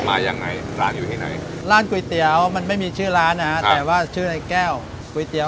มายังไงร้านอยู่ที่ไหนร้านก๋วยเตี๋ยวมันไม่มีชื่อร้านนะฮะแต่ว่าชื่อในแก้วก๋วยเตี๋ย